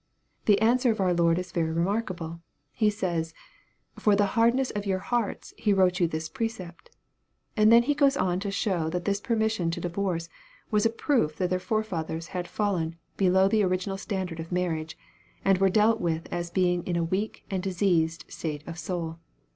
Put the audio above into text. The answer of our Lord is very remarkable. He says, " For the hardness of your hearts he wrote you this precept" And He then goes on to show that this permission to divorce was a proof that their forefathers had fallen be low the original standard of marriage, and were dealt with as being in a weak and diseased state of soul.